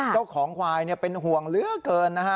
เจ้าของควายเป็นห่วงเหลือเกินนะฮะ